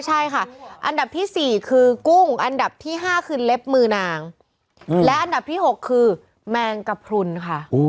ใช่ค่ะอันดับที่๔คือกุ้งอันดับที่๕คือเล็บมือนางและอันดับที่๖คือแมงกระพรุนค่ะ